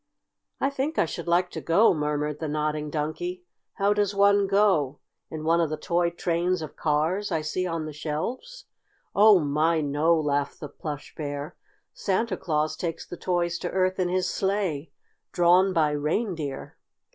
"I think I should like to go," murmured the Nodding Donkey. "How does one go in one of the toy trains of cars I see on the shelves?" "Oh, my, no!" laughed the Plush Bear. "Santa Claus takes the toys to Earth in his sleigh, drawn by reindeer."